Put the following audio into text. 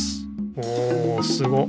おおすご。